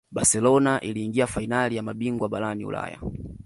barcelona iliingia fainali ya mabingwa barani ulaya